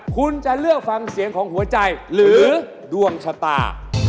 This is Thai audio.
คุณจะเลือกฟังเสียงของหัวใจหรือดวงชะตา